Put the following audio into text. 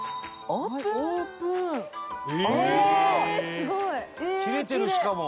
すごい！切れてるしかも。